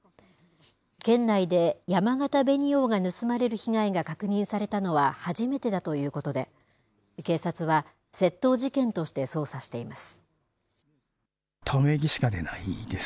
県内でやまがた紅王が盗まれる被害が確認されたのは初めてだということで、警察は、窃盗事件として捜査しています。